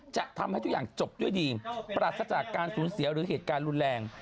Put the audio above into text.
จะทำให้ทุกอย่างจบด้วยดีปราศจากการสูญเสียหรือเหตุการณ์รุนแรง